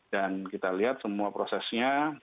dan kita lihat semua prosesnya